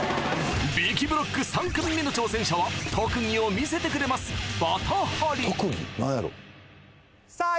びきブロック３組目の挑戦者は特技を見せてくれますさあ